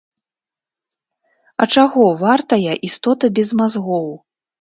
А чаго вартая істота без мазгоў?